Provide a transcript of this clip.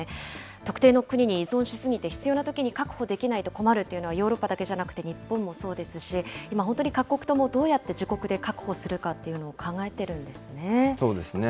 特定の国に依存しすぎて、必要なときに確保できないと困るというのは、ヨーロッパだけじゃなくて、日本もそうですし、今本当に各国ともどうやって自国で確保するかっていうのを考えてそうですね。